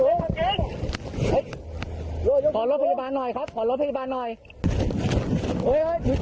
โรหยกพี่บ่นหน่อยครับขอลดพี่บางหน่อย